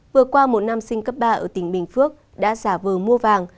vừa qua một nam sinh cấp ba ở tỉnh bình phước đã giả vờ mua vàng